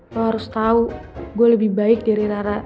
lo harus tau gue lebih baik dari rara